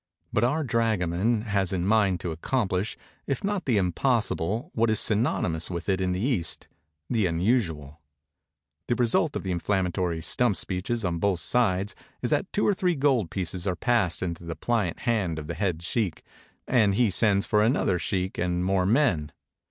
But our dragoman has in mind to accomplish, if not the impossible, what is synonymous with it in the East, the unusual. The result of the inflammatory' stump speeches on both sides is that two or three gold pieces are passed into the pliant hand of the head sheikh, and he sends for another sheikh and more men.